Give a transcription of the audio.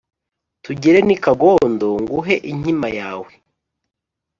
tugere n’i kagondo nguhe inkima yawe